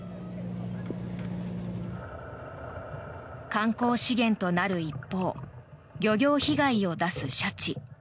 観光資源となる一方漁業被害を出すシャチ。